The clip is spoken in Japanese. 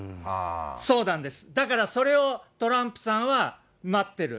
そうなんです、だからそれをトランプさんは待ってる。